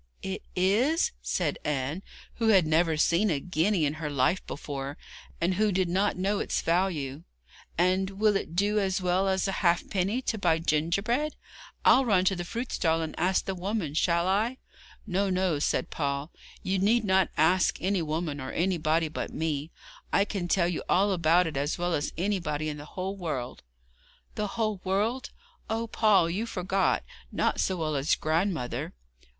'Is it?' said Anne, who had never seen a guinea in her life before, and who did not know its value, 'and will it do as well as a halfpenny to buy gingerbread? I'll run to the fruit stall and ask the woman, shall I?' 'No, no,' said Paul, 'you need not ask any woman, or anybody but me. I can tell you all about it as well as anybody in the whole world.' 'The whole world! Oh, Paul, you forgot. Not so well as my grandmother.'